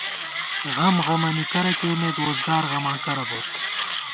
غم غمَنی کرہ کېئیمت ووزگار غماں کرہ بوت